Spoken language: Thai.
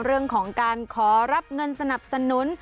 เรื่องของการขอรับเงินสนับสนุน